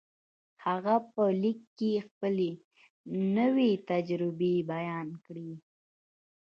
هغه په ليک کې خپلې نوې تجربې بيان کړې.